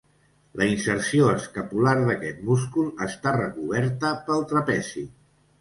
La inserció escapular d'aquest múscul està recoberta pel trapezi.